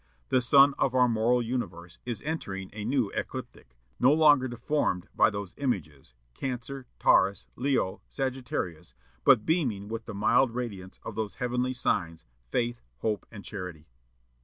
The sun of our moral universe is entering a new ecliptic, no longer deformed by those images, Cancer, Taurus, Leo, Sagittarius, but beaming with the mild radiance of those heavenly signs, Faith, Hope, and Charity.